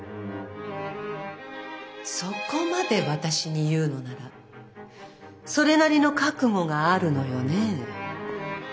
そこまで私に言うのならそれなりの覚悟があるのよね。